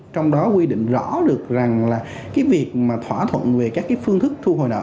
trong đó quy định rõ được rằng là cái việc mà thỏa thuận về các cái phương thức thu hồi nợ